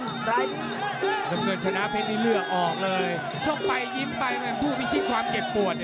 น้ำเงินชนะผซดีทำหน้าปู้ชนะภูมิฉี่ความเก็บปวด